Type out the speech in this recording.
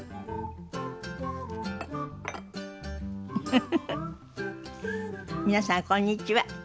フフフフ皆さんこんにちは。